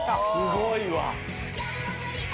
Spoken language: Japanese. すごいわ！